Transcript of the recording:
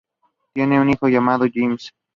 Tienen un hijo llamado James.